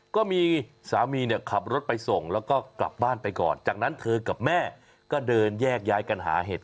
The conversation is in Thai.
ก็มีสามีเนี่ยขับรถไปส่งแล้วก็กลับบ้านไปก่อนจากนั้นเธอกับแม่ก็เดินแยกย้ายกันหาเห็ด